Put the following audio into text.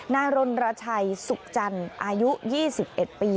นายรณรชัยสุขจันทร์อายุ๒๑ปี